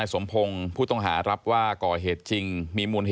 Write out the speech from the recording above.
ที่มันก็มีเรื่องที่ดิน